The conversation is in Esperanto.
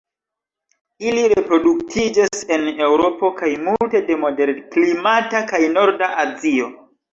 Ili reproduktiĝas en Eŭropo kaj multe de moderklimata kaj norda Azio.